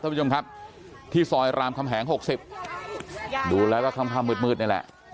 ท่านผู้ชมครับที่ซอยรามคำแหง๖๐ดูแล้วก็ค่ำมืดนี่แหละ